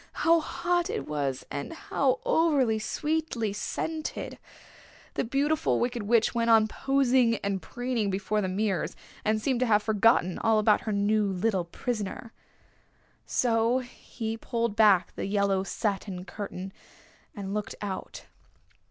How hot it was, and how over sweetly scented! The Beautiful Wicked Witch went on posing and preening before the mirrors, and seemed to have forgotten all about her new little prisoner. So he pulled back the yellow satin curtain, and looked out.